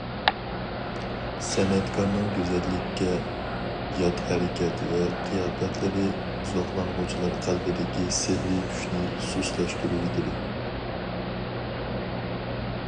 سەنئەتكارنىڭ گۈزەللىككە يات ھەرىكەت ۋە قىياپەتلىرى زوقلانغۇچىلار قەلبىدىكى سېھرىي كۈچنى سۇسلاشتۇرۇۋېتىدۇ.